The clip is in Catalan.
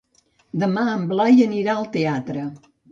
Demà en Blai anirà al teatre.